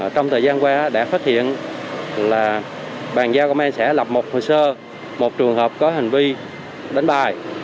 trong thời gian qua đã phát hiện là bàn giao công an xã lập một hồ sơ một trường hợp có hành vi đánh bài